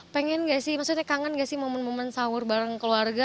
pengen gak sih maksudnya kangen gak sih momen momen sahur bareng keluarga